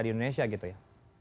di indonesia gitu ya